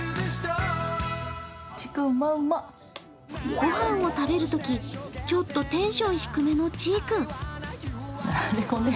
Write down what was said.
御飯を食べるとき、ちょっとテンション低めのちいくん。